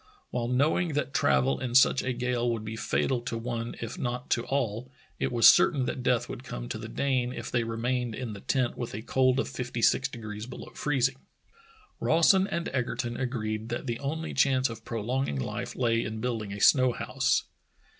While knowing that travel in such a gale would be fatal to one if not to all, it was certain that death would come to the Dane if the}^ remained in the tent with a cold of fifty six degrees below freezing. Rawson and Egerton agreed that the only chance of prolonging life lay in building a snow house.